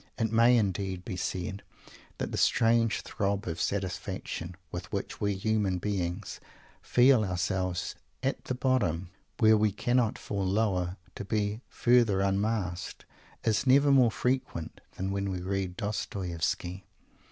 It may, indeed, be said that the strange throb of satisfaction with which we human beings feel ourselves at the bottom, where we cannot fall lower, or be further unmasked, is never more frequent than when we read Dostoievsky.